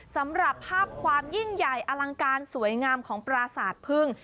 สำหรับภาพความยิ่งใหญ่อลังการสวยงามของปราสาทพึ่ง